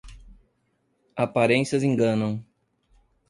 Aparências enganam.